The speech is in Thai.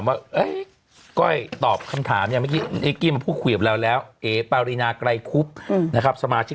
เราต้องใช้เครื่องมือทุกคนหาอะไร